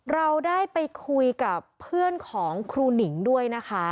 เราได้ไปคุยกับเพื่อนของครูหนิงด้วยนะคะ